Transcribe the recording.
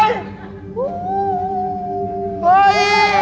อ้าวอี้